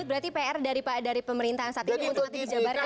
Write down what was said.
berarti pr dari pemerintahan saat ini untuk nanti dijabarkan